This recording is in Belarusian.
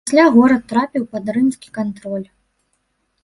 Пасля горад трапіў пад рымскі кантроль.